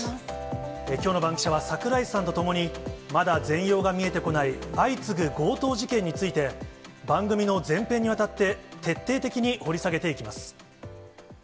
きょうのバンキシャは、櫻井さんと共に、まだ全容が見えてこない相次ぐ強盗事件について、番組の全編にわたって、徹底的に掘り下げていきます。